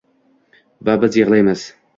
va “biz yig‘laymiz